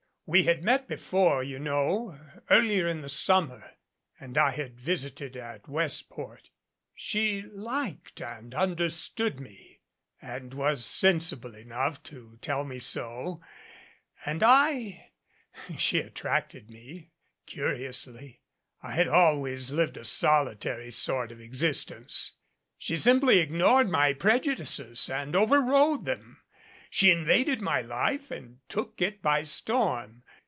We had met before, you know, earlier in the summer, and I had visited at Westport. She liked and understood me, 312 THE SEATS OF THE MIGHTY and was sensible enough to tell me so; and I she at tracted me curiously. I had always lived a solitary sort of existence. She simply ignored my prejudices and over rode them. She invaded my life and took it by storm.